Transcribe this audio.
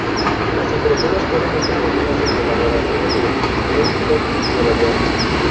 La impresoras fueron desarrolladas en el laboratorio de Endicott, Nueva York.